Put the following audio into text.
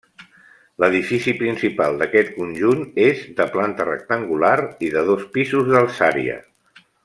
L'edifici principal d'aquest conjunt és de planta rectangular i de dos pisos d'alçària.